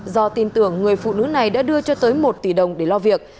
do tin tưởng người phụ nữ này đã đưa cho tới một tỷ đồng để lo việc